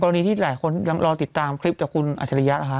กรณีที่หลายคนยังรอติดตามคลิปจะคุณอัชฌายะหรือคะ